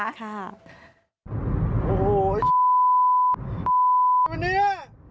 โอ้โฮไอ้มันนี่